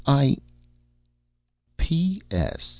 I P. S.